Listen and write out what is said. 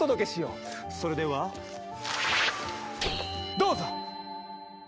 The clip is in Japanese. それではどうぞ！